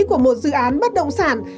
của một dự án bất động sản